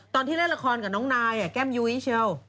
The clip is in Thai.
ตอนที่เล่นละครกับนองนายอ่ะแก้มยุ้ยมาก